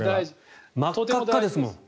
真っ赤っかですもん。